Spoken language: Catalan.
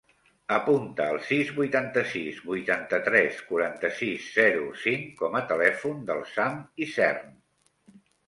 Apunta el sis, vuitanta-sis, vuitanta-tres, quaranta-sis, zero, cinc com a telèfon del Sam Isern.